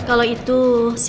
kalau itu saya akan berusaha